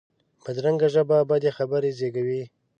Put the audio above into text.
بدرنګه ژبه بدې خبرې زېږوي